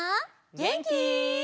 げんき？